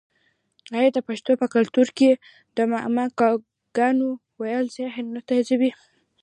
آیا د پښتنو په کلتور کې د معما ګانو ویل ذهن نه تیزوي؟